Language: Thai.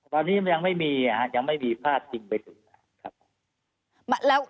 ตอนนี้ยังไม่มียังไม่มีพาดจริงไปถึง